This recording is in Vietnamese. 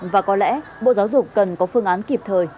và có lẽ bộ giáo dục cần có phương án kịp thời